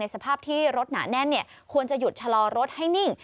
สภาพที่รถหนาแน่นควรจะหยุดชะลอรถให้นิ่ง